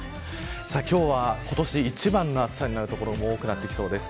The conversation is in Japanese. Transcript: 今日は今年で一番の暑さになる所も多くなってきそうです。